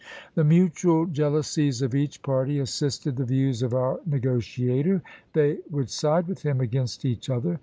The mutual jealousies of each party assisted the views of our negotiator; they would side with him against each other.